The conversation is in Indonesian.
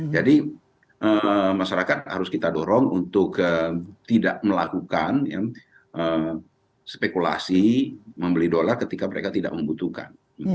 jadi masyarakat harus kita dorong untuk tidak melakukan spekulasi membeli dolar ketika mereka tidak membutuhkan